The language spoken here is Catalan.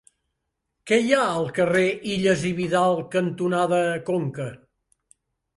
Què hi ha al carrer Illas i Vidal cantonada Conca?